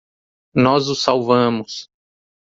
Nós o salvamos!